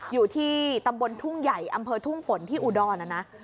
อยู่ที่ตำบลทุ่งใหญ่อำเภอทุ่งฝนที่อุดรนะนะ